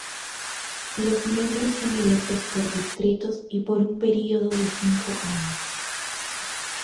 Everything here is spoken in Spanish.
Los miembros son electos por distritos y por un período de cinco años.